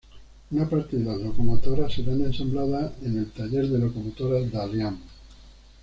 Una parte de las locomotoras serán ensambladas en el Taller de Locomotoras Dalian.